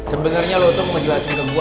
sebenernya lo tuh mau jelasin ke gue